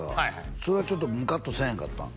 それはちょっとムカッとせえへんかったん？